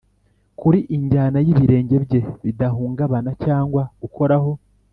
kuri injyana y'ibirenge bye bidahungabana, cyangwa gukoraho